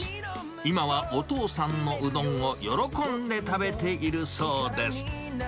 今はお父さんのうどんを喜んで食べているそうです。